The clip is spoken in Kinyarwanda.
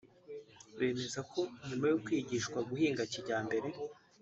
Bemeza ko nyuma yo kwigishwa guhinga kijyambere